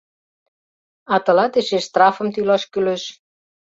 А тылат эше штрафым тӱлаш кӱлеш.